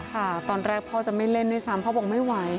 ค่ะตอนแรกพ่อจะไม่เล่นด้วยซ้ำพ่อบอกไม่ไหว